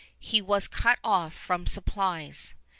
He was cut off from supplies.